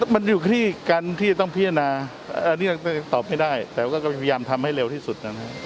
มันอยู่ที่การที่จะต้องพิจารณาอันนี้ตอบไม่ได้แต่ว่าก็พยายามทำให้เร็วที่สุดนะครับ